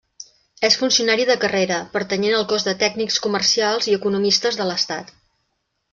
És funcionari de carrera, pertanyent al Cos de Tècnics Comercials i Economistes de l'Estat.